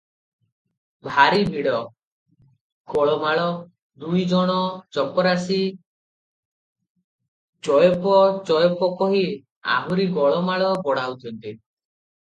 ଭାରି ଭିଡ଼, ଗୋଳମାଳ, ଦୁଇଜଣ ଚପରାଶି ଚୋଓପ ଚୋ-ଓ-ପ କହି ଆହୁରି ଗୋଳମାଳ ବଢ଼ାଉଛନ୍ତି ।